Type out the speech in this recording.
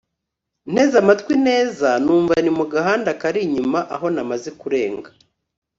nteze amatwi neza numva ni mugahanda kari inyuma aho namaze kurenga